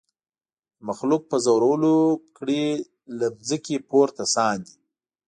د مخلوق په زورولو کړي له مځکي پورته ساندي